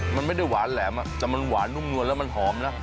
มันไม่ได้หวานแหลมแต่มันหวานนุ่มนวลแล้วมันหอมนะ